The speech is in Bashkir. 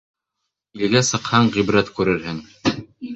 Илгә сыҡһаң, ғибрәт күрерһең.